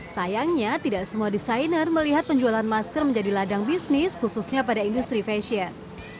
sayangnya tidak semua desainer melihat penjualan masker menjadi ladang bisnis khususnya pada industri fashion